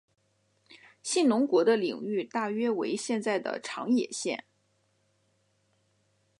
信浓国的领域大约为现在的长野县。